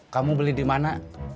kamu beli di mana